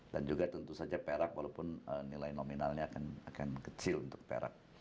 dan juga tentu saja perak walaupun nilai nominalnya akan kecil untuk perak